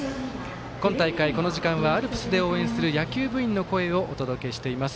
今大会、この時間はアルプスで応援する野球部員の声をお届けしています。